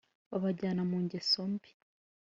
babajyana mu ngeso mbi